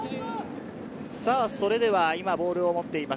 それでは今ボールを持っています。